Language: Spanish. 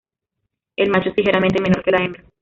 El macho es ligeramente menor que la hembra.